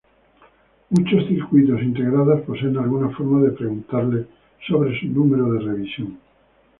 Muchos circuitos integrados poseen alguna forma de "preguntarles" sobre su número de revisión.